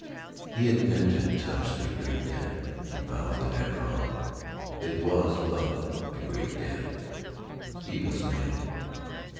He had been to touch the great death, and found that, after all, it was but the great death. He was a man.